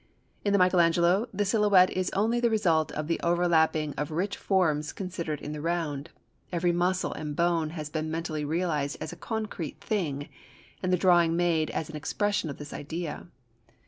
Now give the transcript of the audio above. In the Michael Angelo the silhouette is only the result of the overlapping of rich forms considered in the round. Every muscle and bone has been mentally realised as a concrete thing and the drawing made as an expression of this idea.